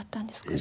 え！？